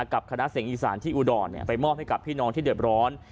กับคณะเสียงอีสานที่อุดรไปมอบให้กับพี่น้องที่เดือดร้อน